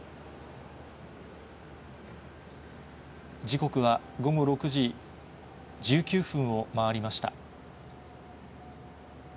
時刻は午後６時１９分を回りました。